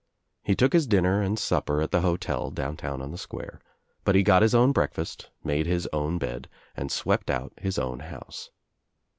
He took his dinner and supper at the hotel, down town on the square, but he got his own breakfast, made his own bed and swept out his own house.